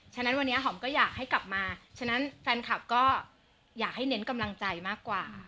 ฉะนั้นวันนี้หอมก็อยากให้กลับมาฉะนั้นแฟนคลับก็อยากให้เน้นกำลังใจมากกว่า